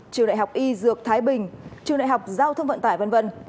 trường đại học y dược thái bình trường đại học giao thông vận tải v v